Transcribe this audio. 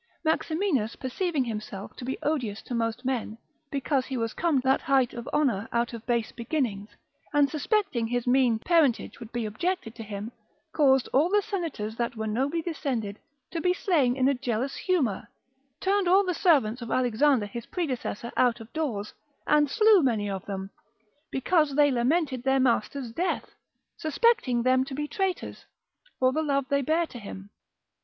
Maximinus perceiving himself to be odious to most men, because he was come to that height of honour out of base beginnings, and suspecting his mean parentage would be objected to him, caused all the senators that were nobly descended, to be slain in a jealous humour, turned all the servants of Alexander his predecessor out of doors, and slew many of them, because they lamented their master's death, suspecting them to be traitors, for the love they bare to him.